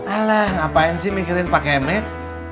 alah ngapain sih mikirin pak kemet